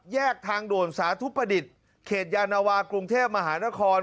แยกทางด่วนสาธุประดิษฐ์เขตยานวากรุงเทพมหานคร